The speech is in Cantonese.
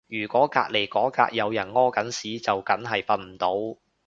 如果隔離嗰格有人屙緊屎就梗係瞓唔到